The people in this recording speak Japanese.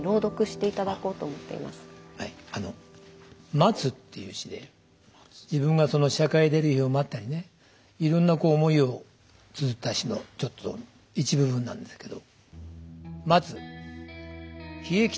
「待つ」っていう詩で自分が社会出る日を待ったりねいろんな思いをつづった詩のちょっと一部分なんですけど。